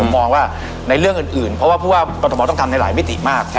ผมมองว่าในเรื่องอื่นเพราะว่าผู้ว่ากรทมต้องทำในหลายมิติมาก